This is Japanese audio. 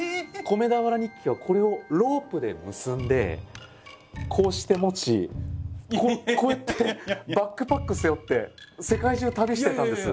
「米俵日記」はこれをロープで結んでこうして持ちこうやってバックパック背負って世界中旅してたんです。